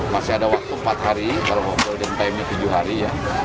masih ada waktu empat hari kalau ngomongin tujuh hari ya